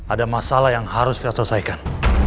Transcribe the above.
ada masalah yang harus kita selesaikan